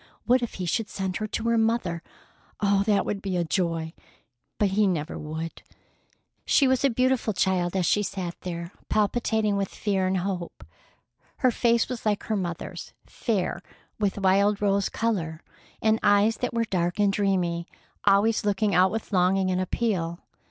What if he should send her to her mother! Oh, that would be joy!—but he never would. She was a beautiful child as she sat there palpitating with fear and hope. Her face was like her mother's, fair, with wild rose color, and eyes that were dark and dreamy, always looking out with longing and appeal.